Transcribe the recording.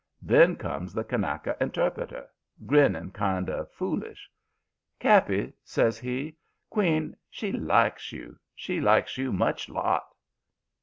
"Then comes the Kanaka interpreter grinning kind of foolish. "'Cappy,' says he, 'queen, she likes you. She likes you much lot.'